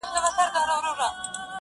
سلامونه سهار مو ګلورین,